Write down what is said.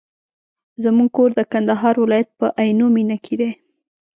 زموږ کور د کندهار ولایت په عينو مېنه کي دی.